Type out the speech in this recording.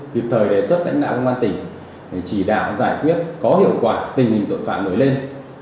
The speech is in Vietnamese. kịp thời đề xuất đánh đạo công an tỉnh để chỉ đạo giải quyết có hiệu quả tình hình tội phạm nổi lên